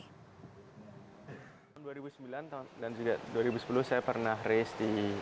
tahun dua ribu sembilan dan juga dua ribu sepuluh saya pernah race di